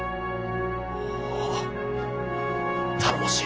おぉ頼もしい。